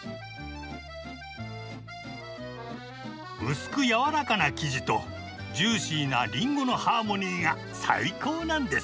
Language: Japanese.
薄くやわらかな生地とジューシーなりんごのハーモニーが最高なんです！